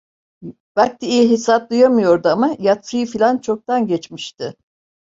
Vakti iyi hesaplayamıyordu ama, yatsıyı filan çoktan geçmişti.